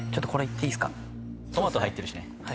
トマト入ってるしね。